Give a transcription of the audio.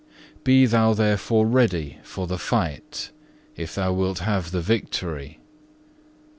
4. "Be thou therefore ready for the fight if thou wilt have the victory.